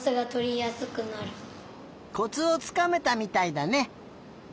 コツをつかめたみたいだね。